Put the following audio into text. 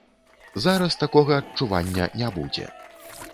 Зараз такога адчування не будзе.